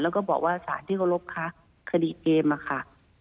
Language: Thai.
แล้วก็บอกว่าสารที่เคารพคะคดีเกมอะค่ะ